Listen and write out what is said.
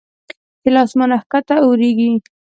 چې له اسمانه کښته اوریږي